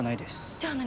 じゃあ何？